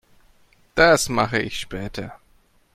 Das mache ich später.